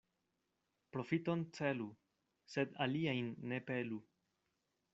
Profiton celu, sed aliajn ne pelu.